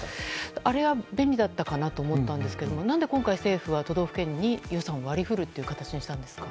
あれは便利だったかなと思ったんですけれども何で今回、政府は都道府県に予算を割り振る形にしたんですか？